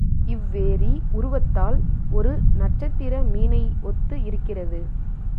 இவ்வேரி உருவத்தால் ஒரு நட்சத்திர மீனை ஒத்து இருக்கிறது.